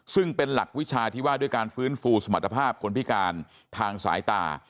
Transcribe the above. ซึ่งเป็นหลักวิชาที่ว่าด้วยการฟื้นฟูสมรรถภาพคนพิการทางสายตา